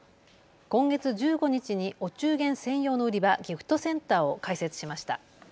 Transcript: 今月１５日にお中元専用の売り場、ギフトセンターを開設しました。